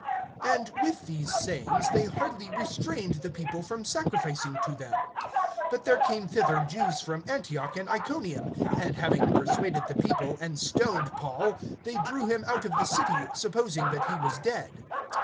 (18)And with these sayings they hardly restrained the people from sacrificing to them. (19)But there came thither Jews from Antioch and Iconium; and having persuaded the people, and stoned Paul, they drew him out of the city, supposing that he was dead.